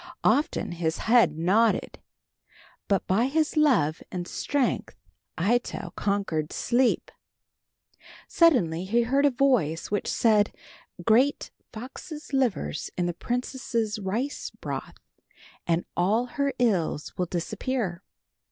Often his head nodded, but by his love and strength Ito conquered sleep. Suddenly he heard a voice which said, "Grate foxes' livers in the princess' rice broth and all her ills will disappear."